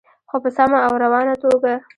خو په سمه او روانه توګه.